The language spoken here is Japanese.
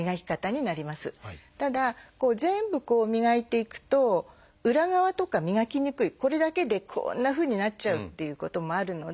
ただ全部磨いていくと裏側とか磨きにくいこれだけでこんなふうになっちゃうっていうこともあるので。